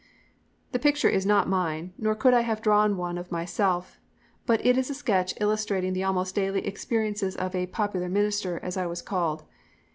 The picture is not mine, nor could I have drawn one of myself, but it is a sketch illustrating the almost daily experiences of a "popular" minister, as I was called.